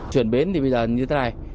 chuyển bến thì bây giờ như thế này